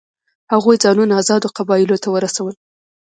هغوی ځانونه آزادو قبایلو ته ورسول.